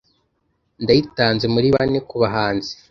ndayitanze muri bane kubahanzi